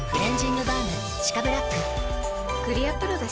クリアプロだＣ。